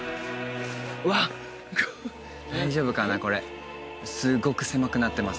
わっ大丈夫かなこれすっごく狭くなってます